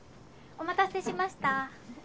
お待たせしました。